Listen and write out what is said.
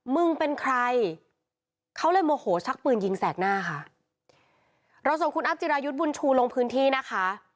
มึงเป็นใครเขาเลยโมโหชักปืนยิงแสกหน้าค่ะเราส่งคุณอัพจิรายุทธ์บุญชูลงพื้นที่นะคะ